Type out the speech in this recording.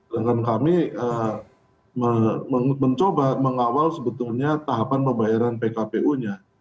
dengan kami mencoba mengawal sebetulnya tahapan pembayaran pkpu nya